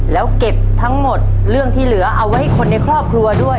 แล้วเก็บทั้งหมดเรื่องที่เหลือเอาไว้ให้คนในครอบครัวด้วย